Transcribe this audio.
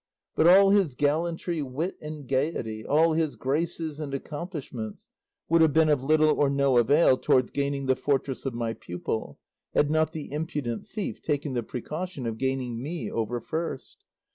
But all his gallantry, wit, and gaiety, all his graces and accomplishments, would have been of little or no avail towards gaining the fortress of my pupil, had not the impudent thief taken the precaution of gaining me over first.